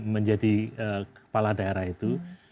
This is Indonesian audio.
menjadi kepala daerah itu